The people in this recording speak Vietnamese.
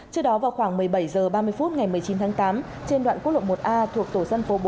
trước đó vào khoảng một mươi bảy h ba mươi phút ngày một mươi chín tháng tám trên đoạn quốc lộ một a thuộc tổ dân phố bốn